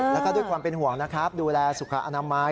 แล้วก็ด้วยความเป็นห่วงนะครับดูแลสุขอนามัย